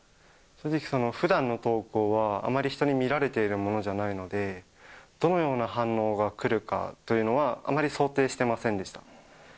正直、ふだんの投稿はあまり人に見られているものじゃないので、どのような反応が来るかというのはあまり想定してませんでした。